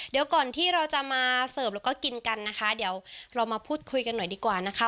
เดี๋ยวก่อนที่เราจะมาเสิร์ฟแล้วก็กินกันนะคะเดี๋ยวเรามาพูดคุยกันหน่อยดีกว่านะคะ